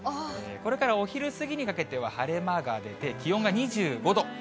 これからお昼過ぎにかけては晴れ間が出て、気温が２５度。